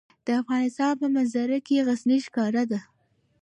د افغانستان په منظره کې غزني ښکاره ده.